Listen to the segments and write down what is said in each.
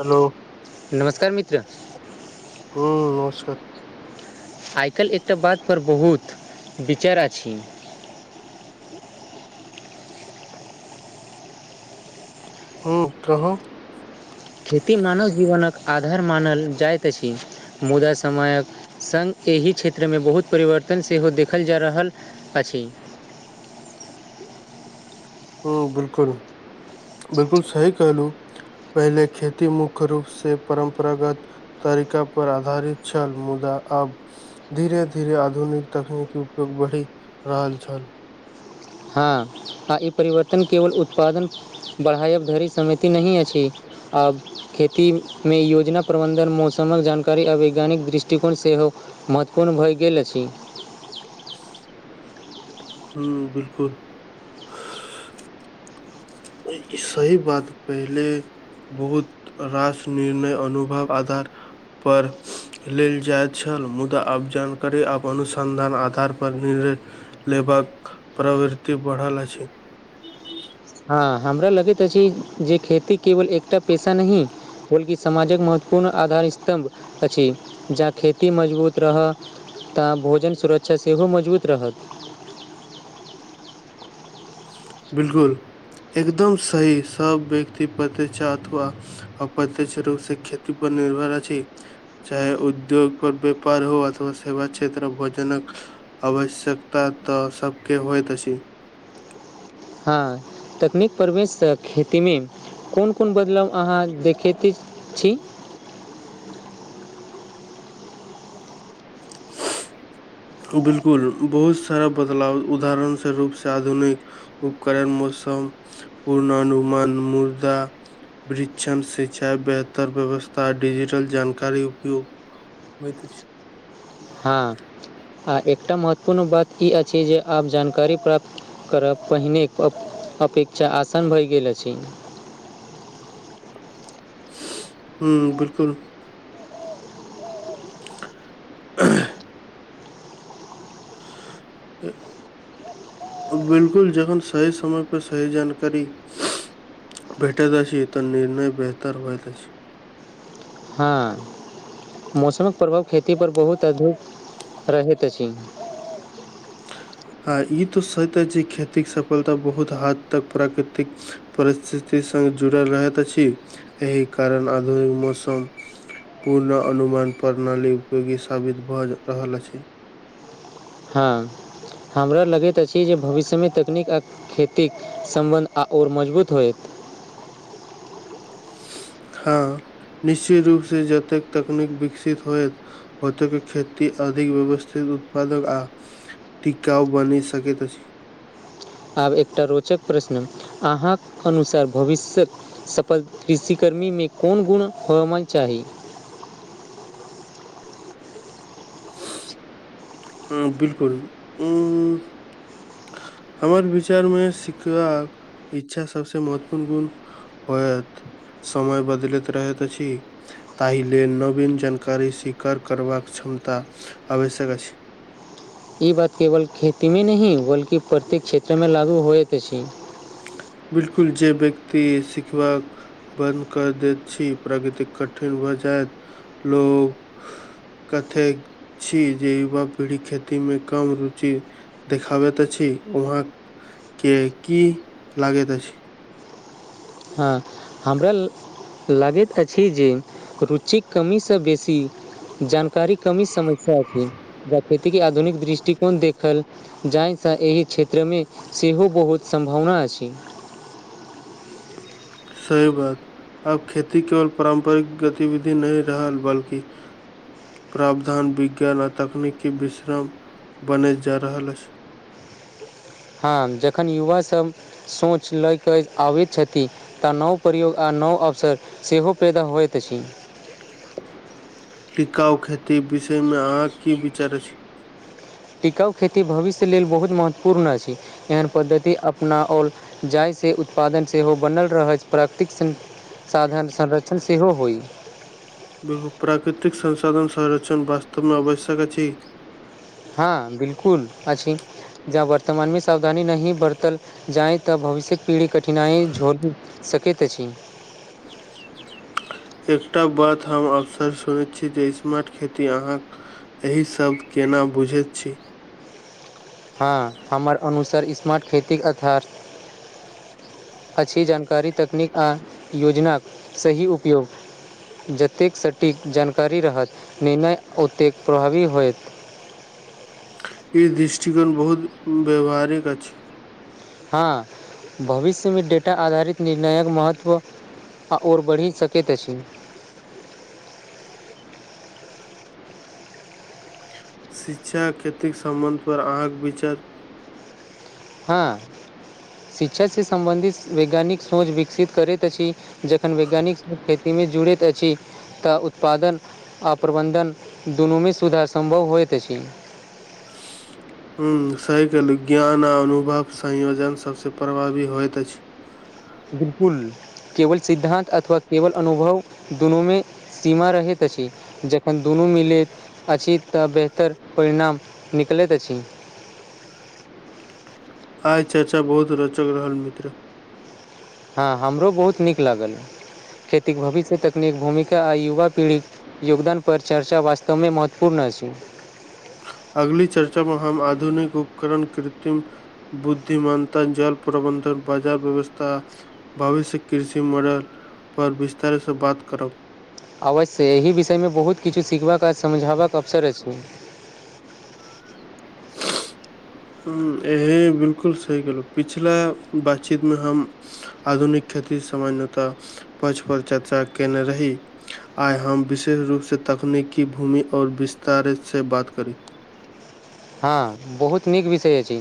hello नमस्कार मित्र हम्म नमस्कार आईकाल्हि एकटा बातपर बहुत विचार अछि हूँ कहू खेती मानव जीवनक आधार मानल जाइत अछि मुदा समयक संग एहि क्षेत्रमे बहुत परिवर्तन सेहो देखल जा रहल अछि हँ बिलकुल बिलकुल सही कहलु पहिले खेती मुख्य रूप से परम्परागत तरीका पर आधारित छल मुदा अब धीरे धीरे आधुनिक तकनीकी उपयोग बढ़ि रहल छल हँ आ ई परिवर्तन केवल उत्पादन बढ़ाइक धरि सहिति नहि अछि आब खेती में योजना प्रबंधन मौसमक जानकारी आ वैज्ञानिक दृष्टिकोण सेहो महत्वपूर्ण भए गेल अछि हूँ बिलकुल सही बात कहिलैं बहुत रास निर्णय अनुभव आधार पर लेल जाइत छल मुदा आब जानकारी आब अनुसन्धान आधारपर निर लेबाक प्रवृति बढ़ल अछि हँ हमरा लगैत अछि जे खेती केवल एकटा पेशा नही बलकि समाजक महत्वपूर्ण आधार स्तम्भ अछि जहाँ खेती मजबूत रहय तऽ भोजन सुरक्षा सेहो मजबूत रहत बिलकुल एकदम सही सब व्यक्ति प्रतिषा अथवा अ [unintelligible] चाहे उद्योग पर व्यापार हो अथवा सेवा क्षेत्र भोजनक आवश्यकता तऽ सभके होइ अछि हँ तकनीक परवेश खेती में कोन कोन बदलाव अहाँ देखैत छी बिलकुल बहुत सारा बदलाव उदाहरण स रूपसँ आधुनिक उपकारण मौसम पूर्णाननुमान मुर्दा परीक्षण सिंचाइ बेहतर व्यवस्था डिजिटल जानकारी उपयोग होइत छै हँ आ एकटा महत्वपूर्ण बात ई अछि जे आब जानकारी प्राप्त करब पहिने अपेक्षा आसान भए गेल छै हूं बिलकुल [inaudible] [inaudible] बिलकुल जखन सही समय पर सही जानकारी भेटैत अछि तऽ निर्णय बेहतर होएत छै हँ मौसमक प्रभाव खेती पर बहुत अधिक रहैत अछि आ ई तो सते जे खेतीक सफलता बहुत हद तक प्राकृतिक परिस्थिति संग जुड़ल रहैत अछि एहि कारण आधुनिक मौसम पूर्ण अनुमान प्रणाली उपयोगी साबित भए रहल अछि हँ हमरा लगैत अछि जे भविष्यमें तकनीक आ खेतीक सम्बन्ध आ ओर मजबूत होयत हँ निश्चित रूपसँ जतेक तकनीक विकसित होयत होतेक के खेती अधिक व्यवस्थित उत्पादक आ टीकाउ बनी सके अछि आब एकटा रोचक प्रश्न अहाँके अनुसार भविष्यक सफल कृषि कर्मी में कोन गुण होवा चाही हँ बिलकुल हमर विचार में सिखबाक इच्छा सबसे महत्वपूर्ण गुण होयत समय बदलैत रहत छी ताहि लेल नवीन जानकारी स्वीकार करबाक क्षमता आवश्यक अछि ई बात केवल खेती में नहि बल्कि प्रत्येक क्षेत्रमे लागू होइत अछि बिलकुल जे व्यक्ति शिखबाक बन्द कर दैत छी प्रकृतिक कठिन भऽ जायत लो कहथैत छी जे युवा पीढ़ी खेती में कम रुचि देखाबैत अछि छी वहाँ के की लागैत अछि हँ हमरा लागैत अछि जे रुचिक कमीसँ बेसी जानकारी कमी समस्या अछि जा खेती के आधुनिक दृष्टिकोन देखल जाहिसँ एहि क्षेत्रमे सेहो बहुत सम्भावना अछि सही बात अब खेती केवल पारम्परिक गतिविधि नहि रहल बल्कि प्रावधान विज्ञान आ तकनीकी विश्राम बनल जा रहल अछि हँ जखन युवा सब सोच लय कऽ आबै छथिन तऽ नव प्रयोग आ नव अवसर सेहो पैदा होइत अछि लिकाउ खेती विषय मे अहाँ की विचार छी टिकाउ खेती भविष्य लेल बहुत महत्वपूर्ण अछि एहन पद्धति अपनाओ जाहिसँ उत्पादन सेहो बनल रहैत अछि प्राकृतिक साधन संरक्षण सेहो होइ प्राकृतिक संसाधन संर्षण वास्तव में आवश्यक अछि हँ बिल्कुल अछि जब वर्तमानमें सावधानी नहि बरतल जाई तऽ भविष्यक पीढ़ी कट कठिनाइ झड़ सकैत अछी एकटा बात हम अक्सर सुनैत छी जे स्मार्ट खेती अहाँक एहि शब्द केना बुझैत छी हँ हमर अनुसार स्मार्ट खेतीके आधार अछि जानकारी तकनीक आ योजनाक सही उपयोग जतेक सटीक जानकारी रहत निर्णय ओतेक प्रभावी होयत ई दृष्टिकोण बहुत व्यवहारिक अछि हँ भविष्यमे डेटा आधारित निर्णायक महत्व आ ओओर बढ़ि सकैत अछि शिक्षा खेतिक संबन्ध पर अंहाक विचार हँ शिक्षासे सम्बन्धित वैज्ञानिक सोच विकसित करैत अछि जखन वैज्ञानिक खेती मे जुड़ैत अछि तऽ उत्पादन आ प्रबन्धन दुनूमे सुधार सम्भव होइत अछि हं सहिके लेल ज्ञान आ अनुभव संयोजन सबसँ प्रभावी होइत अछि बिल्कुल केवल सिद्धान्तक अथवा केवल अनुभव दुनूमे सीमा रहैत अछि जखन दुनू मिलै अछि तऽ बेहतर परिणाम निकलैत अछि अच्छा अच्छा बहुत रोचक रहल मित्र हँ हमरो बहुत नीक लागल खेतीक भविष्य तकनीक भूमिका आ युवा पीढ़ी योगदान पर चर्चा वास्तवमें महत्वपूर्ण अछि अगली चर्चा में हम आधुनिक उपकरण कृत्रिम बुद्धिमनता जल प्रबन्धन बाजार व्यवस्था भविष्य कृषि मॉडलपर विस्तारसँ बात करब अवश्य एहि विषयमे बहुत किछु सीखबाक आ समझाबक अवसर अछि [unintelligible] हूँ [unintelligible] बिल्कुल सही गेलहुँ पिछिला बातचीतमे हम आधुनिक खेती सामान्यता पछ पर चर्चा केने रही आई हम विशेष रूप से तकनीकी भूमि और विस्तार स बात करी हँ बहुत नीक विषय अछि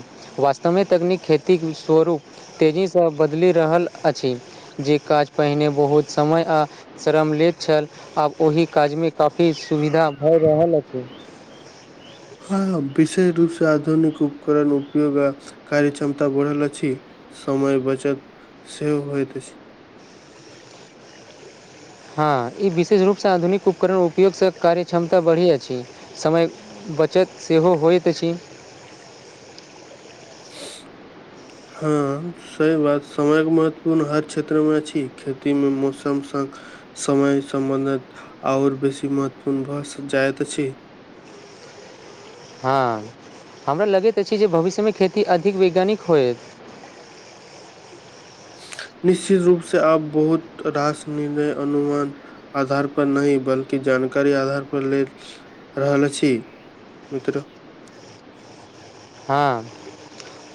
वास्तवमे तकनीक खेतीक स्वरूप तेजीस बदलि रहल अछि जे काज पहिने बहुत समय आ श्रम लेैत छल आब ओहि काजमें काफी सुविधा भऽ रहल अछि हँ विशेष रूप से आधुनिक उपकरण उपयोग आ कार्य क्षमता बढ़ल अछि समय बचत सेहो होइत अछि हँ ई विशेष रूपस आधुनिक उपकरण उपयोगसँ कार्य क्षमता बढ़ि अछि समय बचत सेहो होइत अछि [unintelligible] हँ सही बात समयके महत्वपूर्ण हर क्षेत्र मे छी खेती में मौसम सब समय समबन्ध ओर बेसी महत्वपूर्ण भ जायत छै हँ हमरा लगैत अछि जे भविष्यमे खेती अधिक वैज्ञानिक होयत निश्चित रूप से आप बहुत रास निर्णय अनुमान आधार पर नय बल्कि जानकारी आधार पर लेल रहल अछि मित्र हाँ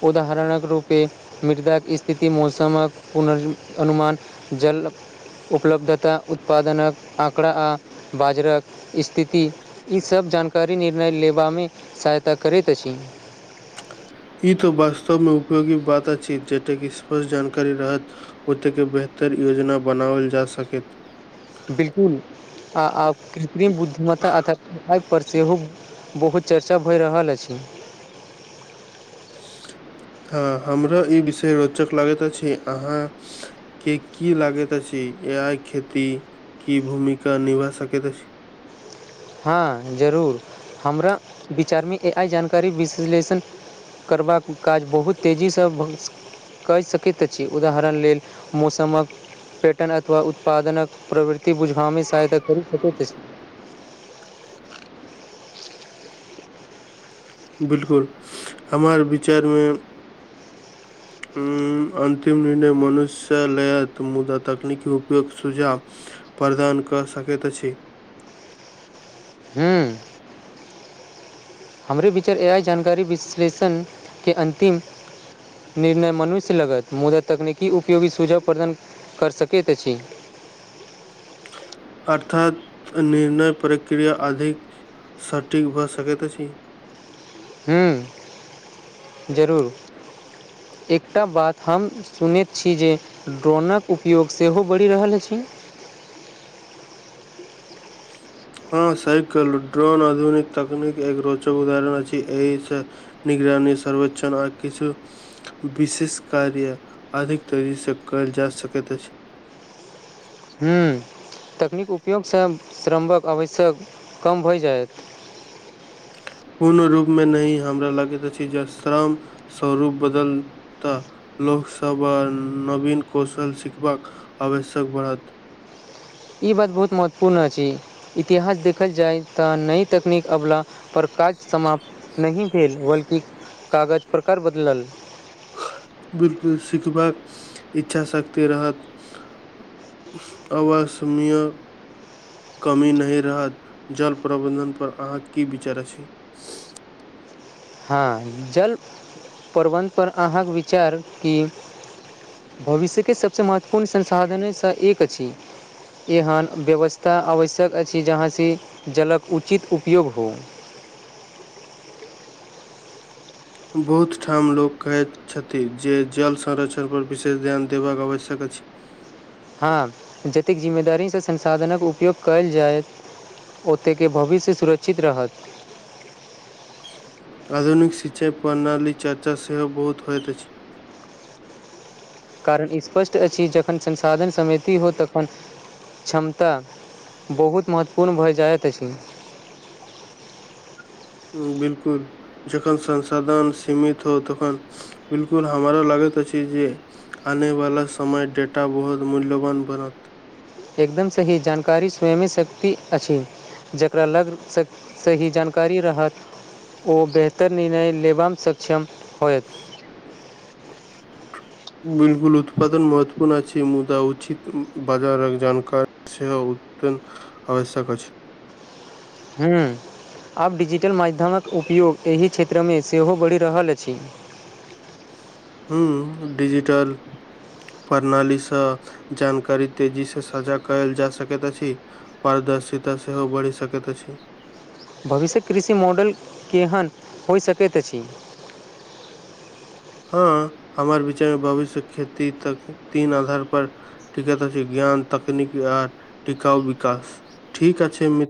उदाहरणक रूपे मृदाक स्थिति मौसमक पुर्वानुमान जल उपलब्धता उत्पादनक आँकड़ा आ बाजरक स्थिति ईसब जानकारी निर्णय लेबामे सहायता करैत अछि ई तअ वास्तव में उपयोगी बात अछि जतेक स्पष्ट जानकारी रहत ओतेक बेहतर योजना बनाबल जा सकैत बिलकुल आ आब कृत्रिम बुद्धिमता अथ पर सेहो बहुत चर्चा भए रहल अछि हँ हमरा ई विषय रोचक लागैत अछि अहाँ के की लागैत अछि एआइ खेतिकी भूमिका निभा सकैत अछि हँ जरूर हमरा विचार में ए आई जानकारी विश्लेषण करबाक काज बहुत तेजीसँ कऽ सकैत छी उदाहरण लेल मौसमक प्यटन अथवा उत्पादनक प्रवृति बुझबामे सहायता करि सकैत अछि बिल्कुल हमर विचार में [unintelligible] अन्तिम निर्णय मनुष्य लयत मुदा तकनीकी उपयोग सुझाव प्रदान कऽ सकैत अछि हूँ हमरे विचार ए आइ जानकारी विश्लेषणके अन्तिम निर्णय मनुष्य लगत मुदा तकनीकी उपयोगी सुझाव प्रदान करि सकैत अछि अर्थात निर्णय प्रक्रिया अधिक सटिक भऽ सकैत अछि हूँ जरूर एकटा बात हम सुनैत छी जे ड्रोनक उपयोग सेहो बढ़ि रहल अछि हँ साइकल ड्रोन आधुनिक तकनीक एक रोचक उदरण अछि एहिसँ निगरानी सर्वेक्षन आ किछु विशेष कार्य अधिक तेजसँ कयल जा सकैत अछि हूँ तकनीक उपयोगसँ श्रमक आवश्यक कम भऽ जायत कोनो रूपमे नहि हमरा लगैत अछि जे श्रम स्वरूप बदलता लोकसभा नवीन कौशल सिखबाक आवश्यक बढ़त ई बात बहुत महत्वपूर्ण अछि इतिहास देखल जाय त नई तकनीक अबला पर काज समाप्त नहि भेले बल्कि कागज प्रकार बदलल बिल्कुल सिखबाक इच्छा शक्ति रहत अवासमिय कमी नहि रहत जल प्रबंधन पर अहाँकी विचार अछी हँ जल प्रबन्धपर अहाँके विचार कि भविष्यके सभस महत्वपूर्ण संसाधनेस एक अछि एहन व्यवस्था आवश्यक अछि जहाँसे जलके उचित उपयोग हो बहुत ठाम लोक कहैत छथि जे जल सरक्षण पर विशेष ध्यान देबाक आवश्यक अछि हँ जतेक जिम्मेदारीस संसाधनक उपयोग कयल जायत ओतेके भविष्य सुरक्षित रहत आधुनिक शिचै प्रणाली चर्चा सेहो बहुत होइत अछि कारण स्पष्ट अछि जखन संसाधन समिति हो तखन क्षमता बहुत महत्वपूर्ण भऽ जाइत अछि बिलकुल जखन संसाधन सीमित हो तखन बिल्कुल हमरा लगैत अछि जे आने वाला समय डेटा बहुत मूल्यवान बनत एकदम सही जानकारी स्वयं शक्ति अछि जकरा लग स सही जानकारी रहत ओ बेहतर निर्णय लेबम सक्षम होयत बिलगुल उत्पदन महत्वपूर्ण अछि मुदा उचित बाजार जानकार सेहो उत्यंन आवश्यक अछि हूँ आब बिजिटल माध्यमक उपयोग एहि क्षेत्रमे सेहो बढ़ि रहल अछि हूँ डिजिटल प्रणालीस जानकारी तेजीस साझा कयल जा सकैत अछि पारदर्शिता सेहो बढ़ि सकैत अछि भविष्य कृषि मॉडल केहन होइ सकैत अछि हँ हमार विचारमे भविष्य खेती त तीन आधार पर ठीके त छै ज्ञान तकनीकी आ टीकाउ विकाश ठीक आछे मि